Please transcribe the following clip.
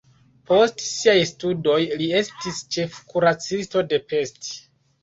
Post siaj studoj li estis ĉefkuracisto de Pest.